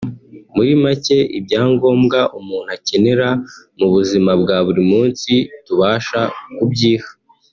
muri macye ibyangombwa umuntu akenera mu buzima bwa buri munsi tubasha kubyiha